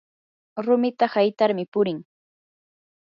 rumita haytarmi purin